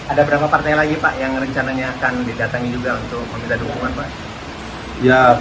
ada berapa partai lagi pak yang rencananya akan didatangi juga untuk meminta dukungan pak